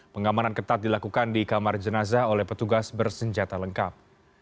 pengamanan ketat dilakukan di kamar jenazah oleh petugas bersenjata lengkap